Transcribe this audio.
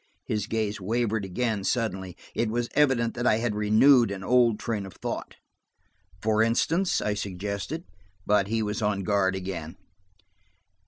His gaze wavered again suddenly. It was evident that I had renewed an old train of thought." "For instance?" I suggested, but he was on guard again.